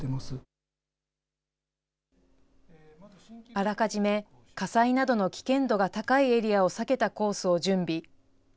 あらかじめ、火災などの危険度が高いエリアを避けたコースを準備。